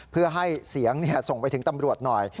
เพื่อให้เสียงส่งไปถึงตำรวจหน่อย